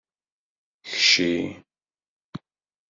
Kcci!